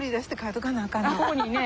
ここにね。